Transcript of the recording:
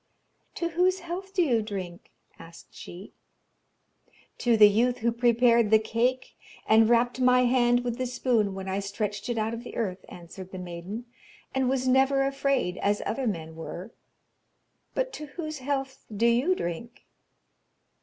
'To whose health do you drink?' asked she. 'To the youth who prepared the cake, and rapped my hand with the spoon when I stretched it out of the earth,' answered the maiden, 'and was never afraid as other men were! But to whose health do you drink?'